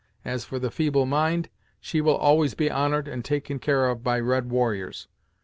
As for the Feeble Mind, she will always be honored and taken care of by red warriors.